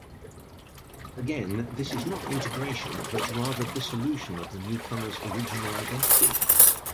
Again, this is not integration but rather dissolution of the newcomer's original identity.